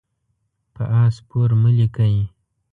په آس سپور مه لیکئ.